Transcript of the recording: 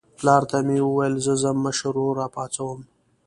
پلار ته مې وویل زه ځم مشر ورور راپاڅوم.